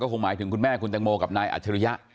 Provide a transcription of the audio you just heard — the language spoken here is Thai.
คงหมายถึงคุณแม่คุณตังโมกับนายอัจฉริยะ